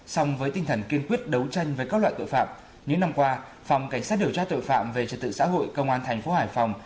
xong với tinh thần kiên quyết đấu tranh với các loại tội phạm những năm qua phòng cảnh sát điều tra tội phạm về trật tự xã hội công an thành phố hải phòng